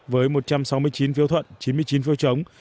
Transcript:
với một trăm sáu mươi chín phiếu thuận chín mươi chín phiếu chống